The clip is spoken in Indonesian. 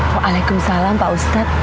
waalaikumsalam pak ustadz